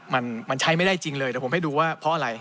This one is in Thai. มันใช้ไม่ได้จริงเลยแต่ผมให้ดูว่าเพราะอะไร